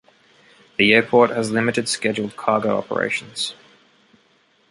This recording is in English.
The airport has limited scheduled cargo operations.